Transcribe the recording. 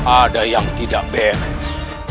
ada yang tidak beres